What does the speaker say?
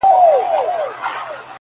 ستا د غزلونو و شرنګاه ته مخامخ يمه’